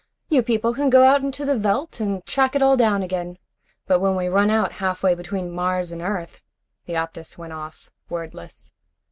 You people can go out into the veldt and track it all down again. But when we run out halfway between Mars and Earth " The Optus went off, wordless.